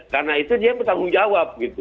karena itu dia bertanggung jawab